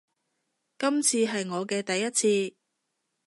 今次係我嘅第一次